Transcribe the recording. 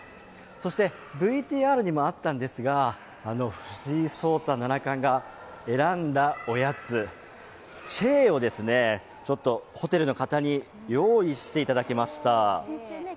そしてＶＴＲにもあったんですが藤井聡太七冠が選んだおやつ、チェーをホテルの方に用意していただきました。